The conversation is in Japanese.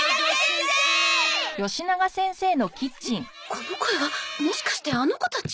この声はもしかしてあの子たち？